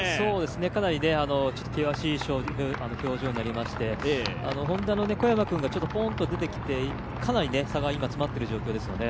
かなり険しい表情になりましてＨｏｎｄａの小山君がポーンと出てきてかなり差が今詰まっている状況ですよね。